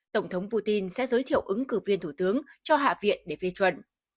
tổng thống putin sẽ giới thiệu ứng cử viên thủ tướng cho hạ viện để phê chuẩn